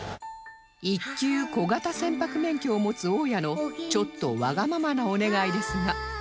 一級小型船舶免許を持つ大家のちょっとわがままなお願いですが